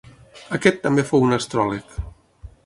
Aquest també fou un astròleg.